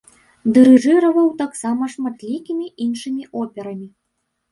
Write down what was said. Дырыжыраваў таксама шматлікімі іншымі операмі.